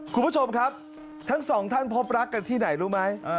คุณผู้ชมครับทั้งสองท่านพบรักกันที่ไหนรู้ไหม